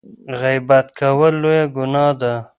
غیبت کول لویه ګناه ده.